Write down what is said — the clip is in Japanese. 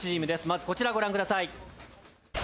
まずこちらご覧下さい。